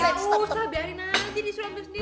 udah sabar biarin nanti disuruh